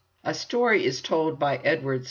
A story is told of Edward VI.